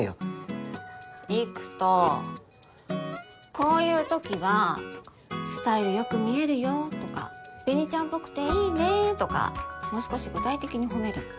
こういう時は「スタイル良く見えるよ」とか「紅ちゃんっぽくっていいね」とかもう少し具体的に褒めるの。